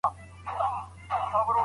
د کورنۍ شخړې پر روغتیا څه اغیزه لري؟